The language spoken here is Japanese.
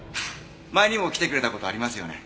前にも来てくれた事ありますよね？